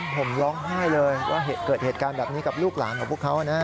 ผมร้องไห้เลยว่าเกิดเหตุการณ์แบบนี้กับลูกหลานของพวกเขานะ